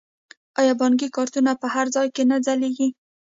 آیا بانکي کارتونه په هر ځای کې نه چلیږي؟